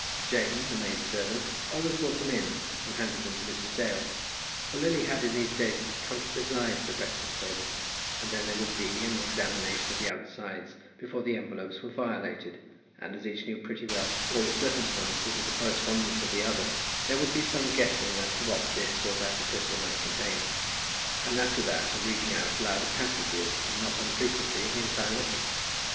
Jane, the maid servant, always brought them in, and handed them to Mrs. Dale, for Lily had in these days come to preside at the breakfast table; and then there would be an examination of the outsides before the envelopes were violated, and as each knew pretty well all the circumstances of the correspondence of the other, there would be some guessing as to what this or that epistle might contain; and after that a reading out loud of passages, and not unfrequently of the entire letter.